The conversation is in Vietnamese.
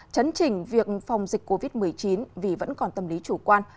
chấn chỉnh việc phòng dịch covid một mươi chín vì vẫn còn tâm lý chủ quan